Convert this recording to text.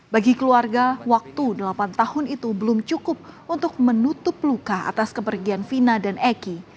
bagi keluarga waktu delapan tahun itu belum cukup untuk menutup luka atas kepergian vina dan eki